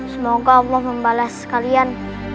semoga allah membalas kalian